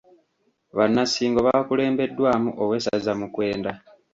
Bannasingo baakulembeddwamu owessaza Mukwenda.